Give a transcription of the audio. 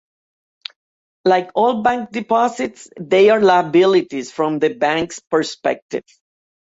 Like all bank deposits, they are liabilities from the bank's perspective.